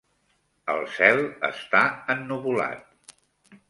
El Cel està ennuvolat.